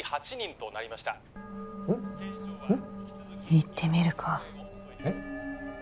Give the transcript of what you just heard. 行ってみるかえっ？